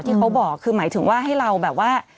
ที่เขาบอกคือหมายถึงว่าให้เราแบบว่า